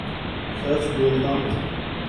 سچ بولتا ہوں